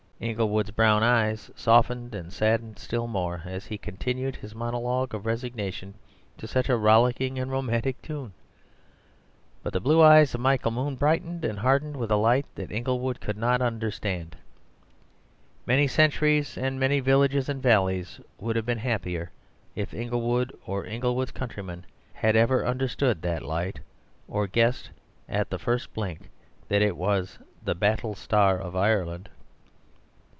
Inglewood's brown eyes softened and saddened still more as he continued his monologue of resignation to such a rollicking and romantic tune. But the blue eyes of Michael Moon brightened and hardened with a light that Inglewood did not understand. Many centuries, and many villages and valleys, would have been happier if Inglewood or Inglewood's countrymen had ever understood that light, or guessed at the first blink that it was the battle star of Ireland.